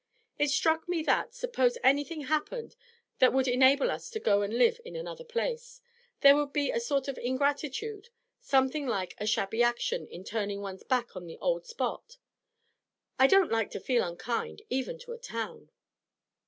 It struck me that, suppose anything happened that would enable us to go and live in another place, there would be a sort of ingratitude, something like a shabby action, in turning one's back on the old spot. I don't like to feel unkind even to a town.'